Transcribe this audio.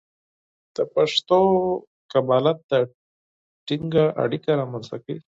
د پښتو قبالت د ټینګه اړیکه رامنځته کوي.